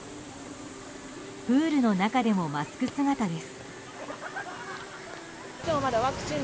プールの中でもマスク姿です。